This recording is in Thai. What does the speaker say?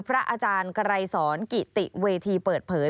พระอาจารย์ไกรสอนกิติเวทีเปิดเผย